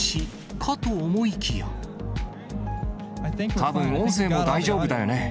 たぶん音声も大丈夫だよね。